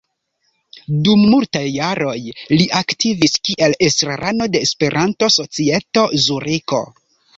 Dum multaj jaroj li aktivis kiel estrarano de Esperanto-Societo Zuriko.